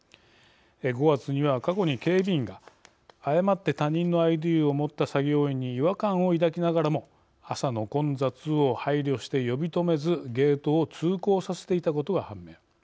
５月には過去に警備員が誤って他人のＩＤを持った作業員に違和感を抱きながらも朝の混雑を配慮して呼び止めずゲートを通行させていたことが判明。